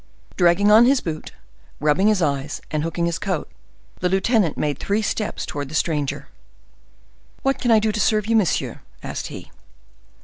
Dragging on his boot, rubbing his eyes, and hooking his cloak, the lieutenant made three steps towards the stranger. "What can I do to serve you, monsieur?" asked he.